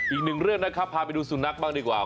อีกหนึ่งเรื่องนะครับพาไปดูสุนัขบ้างดีกว่า